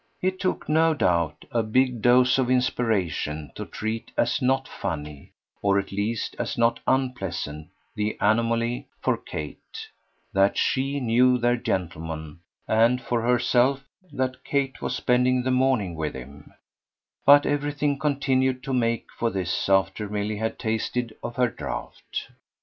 It took, no doubt, a big dose of inspiration to treat as not funny or at least as not unpleasant the anomaly, for Kate, that SHE knew their gentleman, and for herself, that Kate was spending the morning with him; but everything continued to make for this after Milly had tasted of her draught.